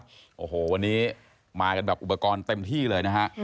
โอ้โหวันนี้มากันแบบอุปกรณ์เต็มที่เลยนะฮะ